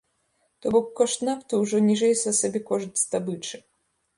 То бок, кошт нафты ўжо ніжэй за сабекошт здабычы.